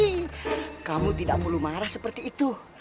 hmm kamu tidak perlu marah seperti itu